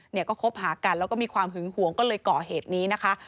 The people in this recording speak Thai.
เนี่ยก็คบหากันแล้วก็มีความหึงหวงก็เลยก่อเหตุนี้นะคะ